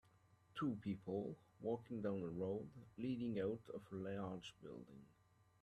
Two people walking down a road leading out of a large building.